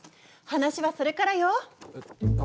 話はそれからよ！